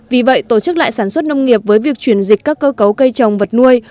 vì vậy tổ chức lại sản xuất nông nghiệp với việc chuyển dịch các cơ cấu cây trồng vật nuôi